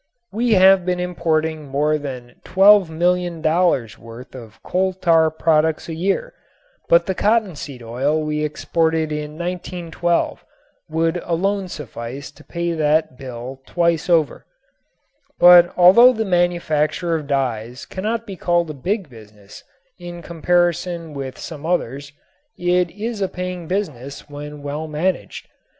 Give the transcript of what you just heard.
We have been importing more than $12,000,000 worth of coal tar products a year, but the cottonseed oil we exported in 1912 would alone suffice to pay that bill twice over. But although the manufacture of dyes cannot be called a big business, in comparison with some others, it is a paying business when well managed.